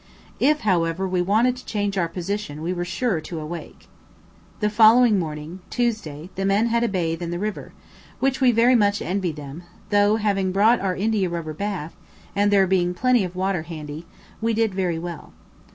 If, however, we wanted to change our position we were sure to awake. The following morning, Tuesday, the men had a bathe in the river, which we very much envied them; though, having brought our india rubber bath, and there being plenty of water handy, we did very well.